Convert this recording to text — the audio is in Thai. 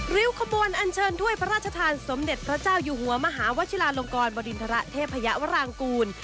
ริ้วขบวนอันเชิญถ้วยพระราชทานสมเด็จพระเจ้าอยู่หัวมหาวชิลาลงกรบริณฑระเทพยวรางกูล